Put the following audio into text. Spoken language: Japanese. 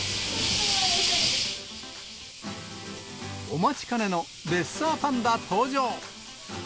お待ちかねのレッサーパンダ登場。